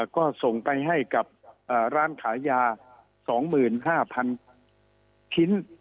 ก็ส่งไปให้กับร้านขายยา๒๕๐๐๐ชิ้น